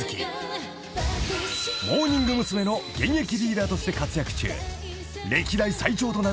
［モーニング娘。の現役リーダーとして活躍中］